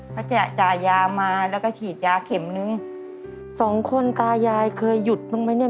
เขาจะจ่ายยามาแล้วก็ฉีดยาเข็มนึงสองคนตายายเคยหยุดบ้างไหมเนี่ย